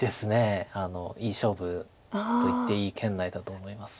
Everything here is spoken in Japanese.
いい勝負と言っていい圏内だと思います。